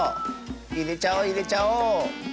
いれちゃおういれちゃおう！